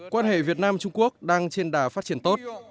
quan hệ việt nam trung quốc đang trên đà phát triển tốt